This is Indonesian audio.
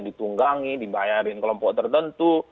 ditunggangi dibayarin kelompok tertentu